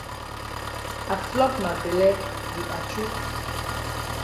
I flop ma bele wit achu.